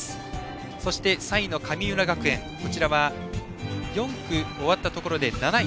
そして、３位の神村学園は４区が終わったところで７位。